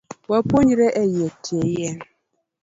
Wapuonjre etie yien